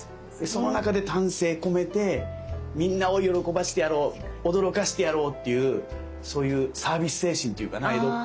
その中で丹精込めてみんなを喜ばしてやろう驚かしてやろうっていうそういうサービス精神っていうかな江戸っ子の。